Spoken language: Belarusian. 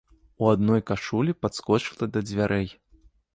У адной кашулі падскочыла да дзвярэй.